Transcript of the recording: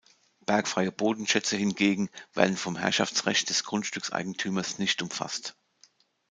Bergfreie Bodenschätze hingegen werden vom Herrschaftsrecht des Grundstückseigentümers nicht umfasst.